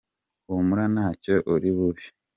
Humura ntacyo uri bube.